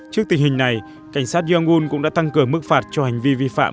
trước tình hình này cảnh sát yangon cũng đã tăng cờ mức phạt cho hành vi vi phạm